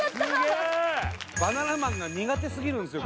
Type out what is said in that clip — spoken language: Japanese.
すげえバナナマンが苦手すぎるんですよ